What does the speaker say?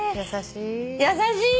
優しい。